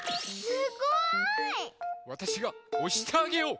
すごい！わたしがおしてあげよう！